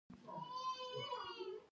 انګلیسي د فیشن نړۍ سره تړلې ده